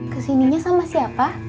kesininya sama siapa